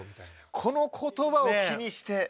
この言葉を気にして。